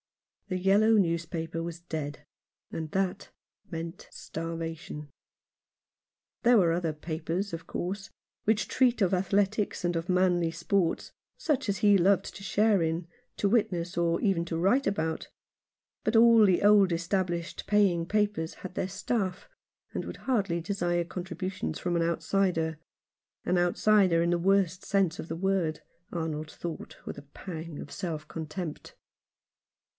The yellow newspaper was dead, and that meant starvation. There were other papers, of course, which treat of athletics, and of manly sports, such as he loved to share in, to witness, or even to write about ; but all the old established paying papers had their staff, and would hardly desire contributions from an outsider — an outsider in the worst sense of the word, Arnold thought with a pang of self contempt.